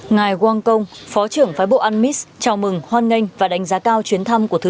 ngài wang kong phó trưởng phái bộ anmis chào mừng hoan nghênh và đánh giá cao chuyến thăm của thứ